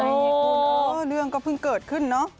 ก็เรื่องก็เพิ่งเกิดขึ้นเนาะ